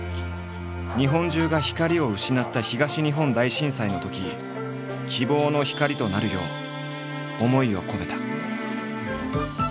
日本中が光を失った東日本大震災のとき希望の光となるよう思いを込めた。